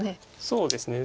そうですね。